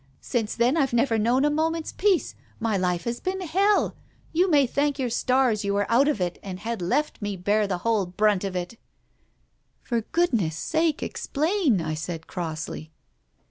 Since then I've never kndwrt a moment's peace. My life has been hell. You may thank your stars you were out of it and had left me to bear the whole brunt of it," " For goodness' sake explain !" I said crossly.